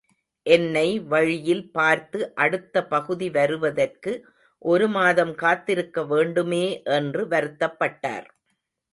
என்னை வழியில் பார்த்து அடுத்த பகுதி வருவதற்கு ஒரு மாதம் காத்திருக்க வேண்டுமே என்று வருத்தப்பட்டார்.